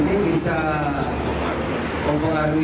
terpasang dengan tambahannya ini